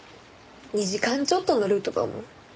２時間ちょっとのルートだもん。